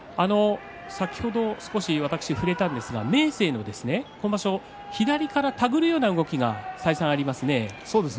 先ほど少し触れたんですが明生の今場所、左から手繰るような動きが再三ありますね。